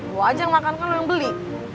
gue ajang makan kan lo yang beli